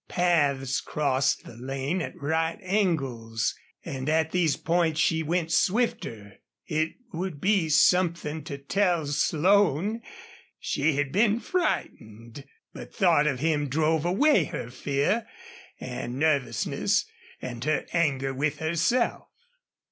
Paths crossed the lane at right angles, and at these points she went swifter. It would be something to tell Slone she had been frightened. But thought of him drove away her fear and nervousness, and her anger with herself.